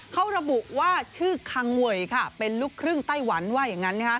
เขาระบุว่าชื่อคังเวยเป็นลูกครึ่งไต้หวันว่าอย่างนั้น